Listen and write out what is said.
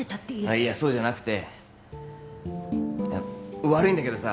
いやそうじゃなくて悪いんだけどさ